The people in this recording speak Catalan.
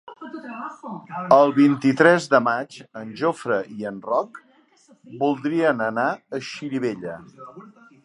El vint-i-tres de maig en Jofre i en Roc voldrien anar a Xirivella.